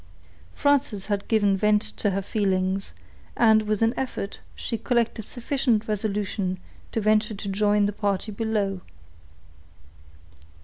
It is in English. Frances had given vent to her feelings, and, with an effort, she collected sufficient resolution to venture to join the party below.